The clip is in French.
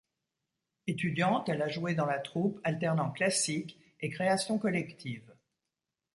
Étudiante, elle a joué dans la troupe, alternant classiques et créations collectives.